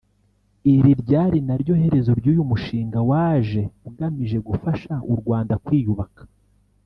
Iri ryari naryo herezo ry’uyu mushinga waje ugamije gufasha u Rwanda kwiyubaka